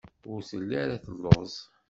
Ur telli ara telluẓ.